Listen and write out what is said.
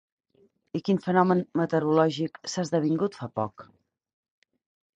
I quin fenomen meteorològic s'ha esdevingut fa poc?